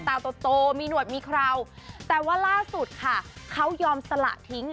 โตมีหนวดมีเคราวแต่ว่าล่าสุดค่ะเขายอมสละทิ้ง